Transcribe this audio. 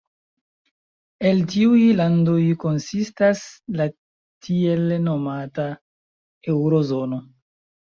El tiuj landoj konsistas la tiel nomata "Eŭro-zono".